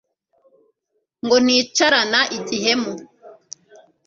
ngo nticarana igihemu